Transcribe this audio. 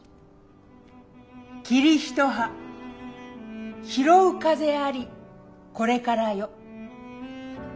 「桐一葉拾う風ありこれからよ」。